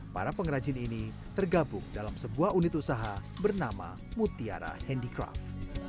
para pengrajin ini tergabung dalam sebuah unit usaha bernama mutiara handicraft